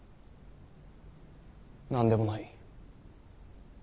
何でもない。